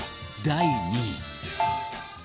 第２位。